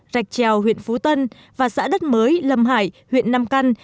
rạch trèo huyện phú tân và xã đất mới lâm hải huyện nam căn